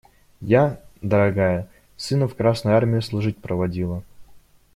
Я, дорогая, сына в Красную Армию служить проводила.